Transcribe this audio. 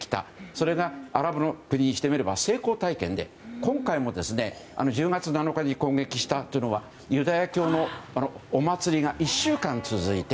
それがアラブの国にしてみれば成功体験で今回も１０月７日に攻撃したのはユダヤ教のお祭りが１週間続いて